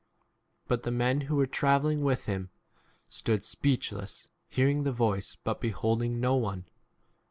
But the men who were travelling with him stood speech less, hearing the voice e but behold 8 ing no one.